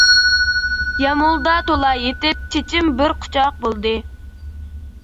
يامۇلدا تولا يېتىپ، چېچىم بىر قۇچاق بولدى.